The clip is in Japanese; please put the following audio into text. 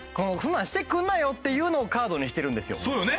そうよね？